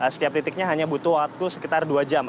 setiap titiknya hanya butuh waktu sekitar dua jam